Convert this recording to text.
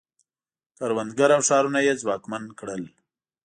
کروندګر او ښارونه یې ځواکمن کړل